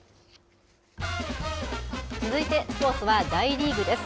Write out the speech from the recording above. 続いてスポーツは大リーグです。